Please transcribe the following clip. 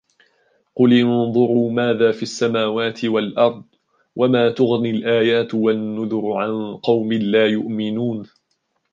قل انظروا ماذا في السماوات والأرض وما تغني الآيات والنذر عن قوم لا يؤمنون